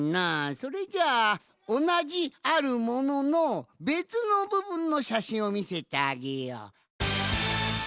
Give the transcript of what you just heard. それじゃあおなじ「あるもの」のべつのぶぶんのしゃしんをみせてあげよう。